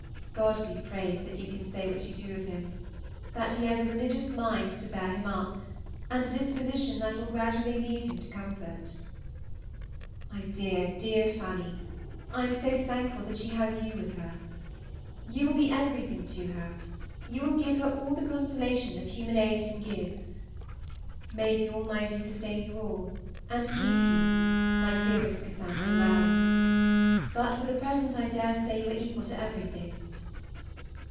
God be praised that you can say what you do of him: that he has a religious mind to bear him up, and a disposition that will gradually lead him to comfort. My dear, dear Fanny, I am so thankful that she has you with her! You will be everything to her; you will give her all the consolation that human aid can give. May the Almighty sustain you all, and keep you, my dearest Cassandra, well; but for the present I dare say you are equal to everything.